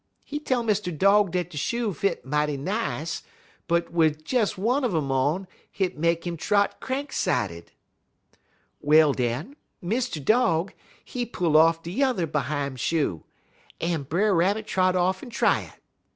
He tell Mr. Dog dat de shoe fit mighty nice, but wid des one un um on, hit make 'im trot crank sided. "Well, den, Mr. Dog, he pull off de yuther behime shoe, en Brer Rabbit trot off en try it.